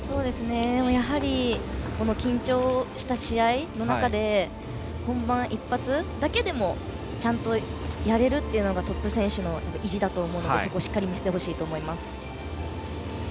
やはり緊張した試合の中で本番一発だけでもちゃんとやれるというのがトップ選手の意地だと思うのでそこをしっかり見せてほしいと思います。